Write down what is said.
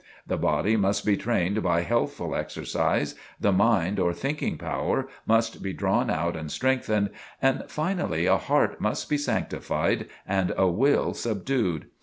The body must be trained by healthful exercise, the mind or thinking power, must be drawn out and strengthened, and finally a heart must be sanctified and a will subdued.